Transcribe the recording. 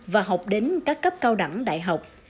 và học đến các cấp cao đẳng đại học